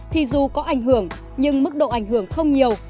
thì dù có ảnh hưởng nhưng mức độ ảnh hưởng không nhiều